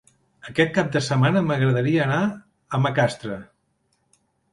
Aquest cap de setmana m'agradaria anar a Macastre.